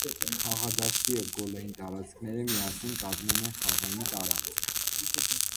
Խաղադաշտը և գոլային տարածքները միասին կազմում են խաղային տարածք։